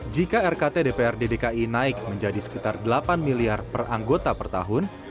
jika rkt dprd dki naik menjadi sekitar delapan miliar per anggota per tahun